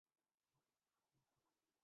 Panama وہ مقام ہے۔